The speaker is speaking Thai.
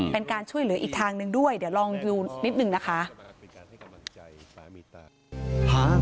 เป็นการช่วยเหลืออีกทางหนึ่งด้วยเดี๋ยวลองดูนิดหนึ่งนะคะ